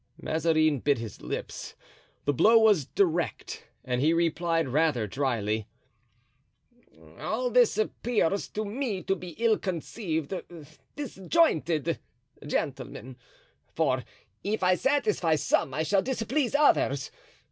Mazarin bit his lips; the blow was direct and he replied rather dryly: "All this appears to me to be ill conceived, disjointed, gentlemen; for if I satisfy some I shall displease others.